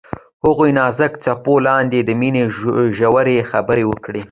هغوی د نازک څپو لاندې د مینې ژورې خبرې وکړې.